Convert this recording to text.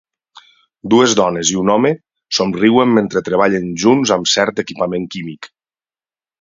Dues dones i un home somriuen mentre treballen junts amb cert equipament químic.